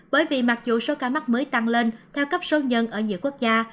bởi vì mặc dù số ca mắc mới tăng lên cao cấp số nhân ở nhiều quốc gia